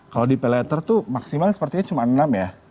kalau di pay letter tuh maksimal sepertinya cuma enam ya